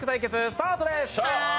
スタートです！